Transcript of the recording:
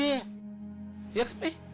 iya kan be